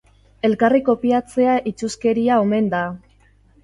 Elkarri kopiatzea itsuskeria omen da.